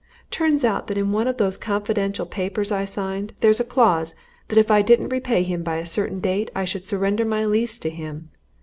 Turns out that in one of those confounded papers I signed there's a clause, that if I didn't repay him by a certain date I should surrender my lease to him!